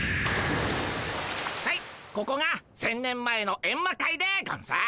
はいここが１，０００年前のエンマ界でゴンス。